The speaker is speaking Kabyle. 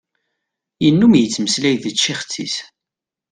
Yennum yettmeslay d tcixet-is.